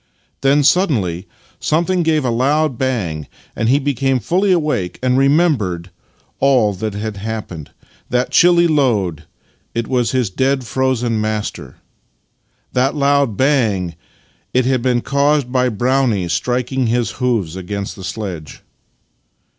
Then suddenly something gave aloud bang, and he became fuJly awake and remembered all that had happened. That chilly load — it was his dead frozen master. That loud bang — it had been caused by Brownie striking his hoofs against the sledge.